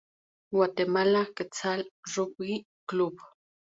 Guatemala Quetzal Rugby Club